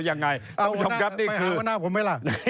พี่ผู้ชมครับนี่คือ